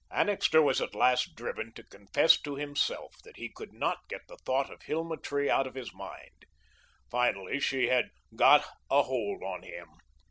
Annixter was at last driven to confess to himself that he could not get the thought of Hilma Tree out of his mind. Finally she had "got a hold on him."